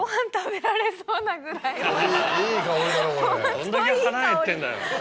どんだけ腹減ってんだよ。